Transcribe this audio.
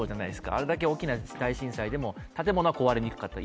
あれだけ大きな大震災でも建物は壊れにくかったり。